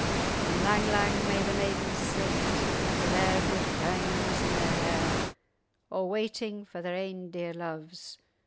And lang, lang may the maidens sit, With their goud kaims[#] in their hair, A' waiting for their ain dear loves!